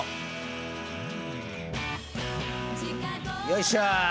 よいしょ！